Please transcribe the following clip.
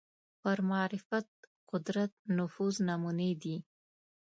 پر معرفت قدرت نفوذ نمونې دي